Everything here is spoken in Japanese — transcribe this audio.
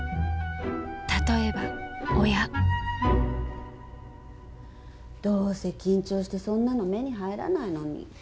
例えば親どうせ緊張してそんなの目に入らないのに。